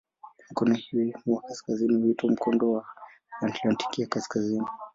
Mkono huu wa kaskazini huitwa "Mkondo wa Atlantiki ya Kaskazini".